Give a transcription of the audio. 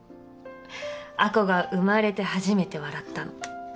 亜子が生まれて初めて笑ったの。